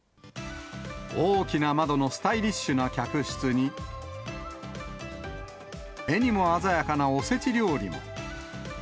大きな窓のスタイリッシュな客室に、目にも鮮やかなおせち料理も。